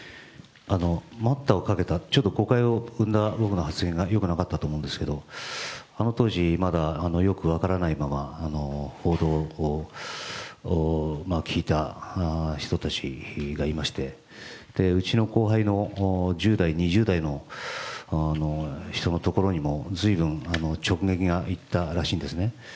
待ったをかけた、ちょっと誤解を生んだ僕の発言がよくなかったと思うんですけれどもあの当時、まだよく分からないまま報道を聞いた人たちがいまして、うちの後輩の１０代、２０代の人のところにも随分直撃が行ったらしいんですね。